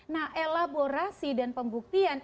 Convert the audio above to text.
nah elaborasi dan pembuktikan